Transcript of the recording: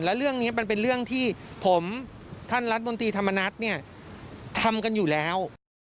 แล้วเรื่องนี้มันเป็นเรื่องที่ผมท่านรัฐมนตรีธรรมนัฐเนี่ยทำกันอยู่แล้ว